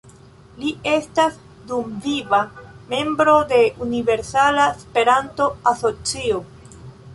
Li estas dumviva membro de Universala Esperanto-Asocio.